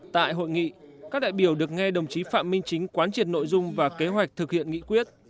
tại hội nghị các đại biểu được nghe đồng chí phạm minh chính quán triệt nội dung và kế hoạch thực hiện nghị quyết